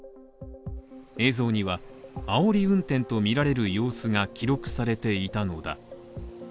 映像には、あおり運転とみられる様子が記録されていたのだ。